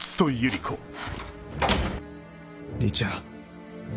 兄ちゃん。